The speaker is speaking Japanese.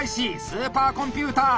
スーパーコンピューター。